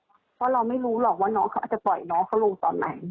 เพราะเราไม่รู้หรอกว่าน้องเขาอาจจะปล่อยน้องเขาลงตอนไหน